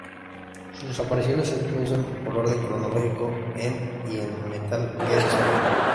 Sus apariciones se producen, por orden cronológico, en y en Metal Gear Solid.